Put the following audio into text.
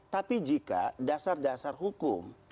tapi jika dasar dasar hukum